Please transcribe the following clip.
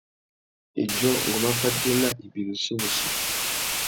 Idjô, ngu má fatēna ibirichi wussi.